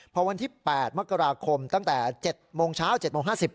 พอวันที่๘มกราคมตั้งแต่๗โมงเช้า๗โมง๕๐